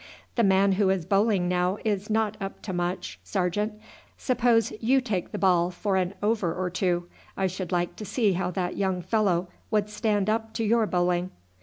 "The man who is bowling now is not up to much, sergeant. Suppose you take the ball for an over or two; I should like to see how that young fellow would stand up to your bowling."